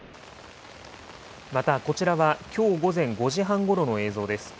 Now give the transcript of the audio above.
またこちらはきょう午前５時半ごろの映像です。